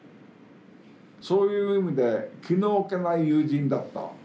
そういう意味で気の置けない友人だった。